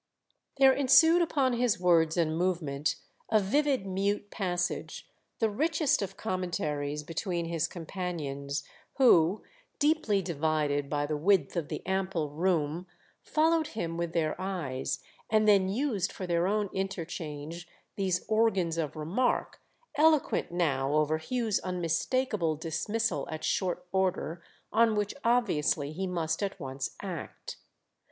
There ensued upon his words and movement a vivid mute passage, the richest of commentaries, between his companions; who, deeply divided by the width of the ample room, followed him with their eyes and then used for their own interchange these organs of remark, eloquent now over Hugh's unmistakable dismissal at short order, on which obviously he must at once act.